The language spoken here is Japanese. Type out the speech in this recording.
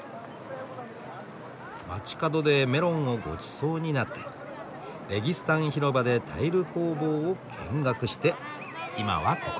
街角でメロンをごちそうになってレギスタン広場でタイル工房を見学して今はここ。